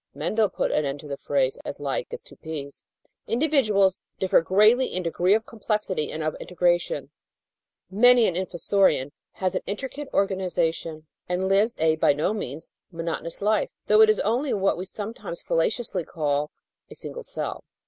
Mendel put an end to the phrase "as like as two peas." Individuals differ greatly in degree of complexity and of integration. Many an Infusorian has an intricate organisation and lives a by no means monotonous life, though it is only what we somewhat fallaciously call "a single cell."